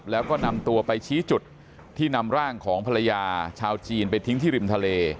แล้วก็นำตัวไปชี้จุดที่นำร่างของภรรยาชาวจีนไปทิ้งที่ริมทะเล